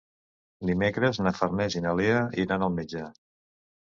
Dimecres na Farners i na Lea iran al metge.